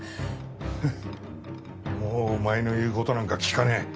フッもうお前の言う事なんか聞かねえ。